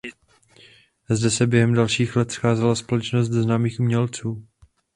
Zde se během dalších let scházela společnost známých umělců.